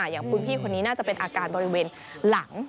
อย่างคุณพี่คนนี้น่าจะเป็นอาการบริเวณหลัง